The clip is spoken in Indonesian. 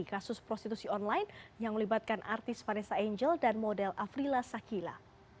kasus prostitusi online yang melibatkan artis vanessa angel dan model afrila sakila